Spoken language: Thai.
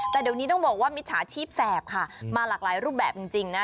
แต่เดี๋ยวนี้ต้องบอกว่ามิจฉาชีพแสบค่ะมาหลากหลายรูปแบบจริงนะ